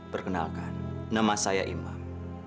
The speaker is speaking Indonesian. perkenalkan nama saya imam